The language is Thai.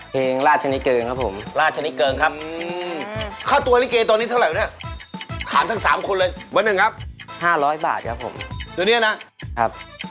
ตั้งแต่หลักร้อยถึงหลักพันค่ะ